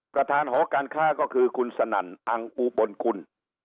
ประธานหอการค้าก็คือคุณสนั่นอังอุบลกุล